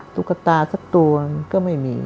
สุขภาษาสักตัวก็ไม่มี